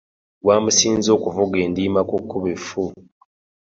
Gwamusinze okuvuga endiima ku kkubo effu.